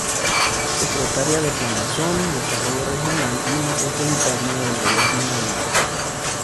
Secretaria de Planeación, Desarrollo Regional y Metropolitano del Gobierno de Hidalgo